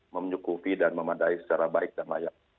menyukufi dan memandai secara baik dan mayat